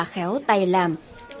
khéo tay làm